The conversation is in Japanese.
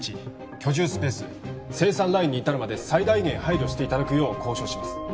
居住スペース生産ラインに至るまで最大限配慮していただくよう交渉します